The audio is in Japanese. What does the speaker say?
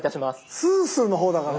スースーの方だから。